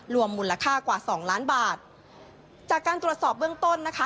มูลค่ากว่าสองล้านบาทจากการตรวจสอบเบื้องต้นนะคะ